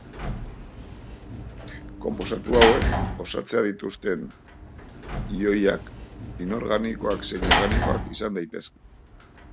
Konposatu hauek osatzen dituzten ioiak inorganikoak zein organikoak izan daitezke.